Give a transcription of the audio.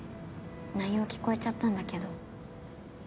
内容聞こえちゃったんだけど。